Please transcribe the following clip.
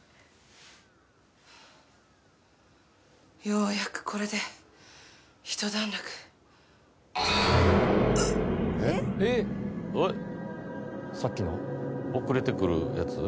ようやくこれでひと段落うっ